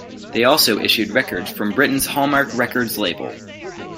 They also issued records from Britain's Hallmark Records label.